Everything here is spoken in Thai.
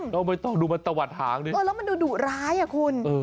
ไม่ต้องดูมันตะวัดหางดิเออแล้วมันดูดุร้ายอ่ะคุณ